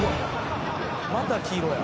「また黄色や」